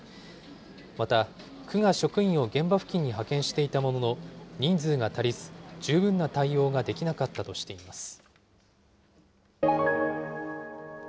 また、区が職員を現場付近に派遣していたものの、人数が足りず、十分な対応ができなかったとしています。